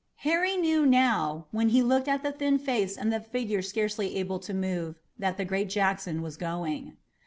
Harry knew now, when he looked at the thin face and the figure scarcely able to move, that the great Jackson was going.